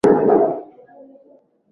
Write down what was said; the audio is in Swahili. Sifa zikurudie bwana.